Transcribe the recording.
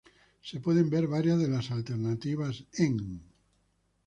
Se pueden ver varias de las alternativas en